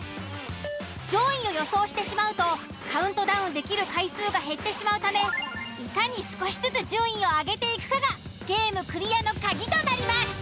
上位を予想してしまうとカウントダウンできる回数が減ってしまうためいかに少しずつ順位を上げていくかがゲームクリアの鍵となります。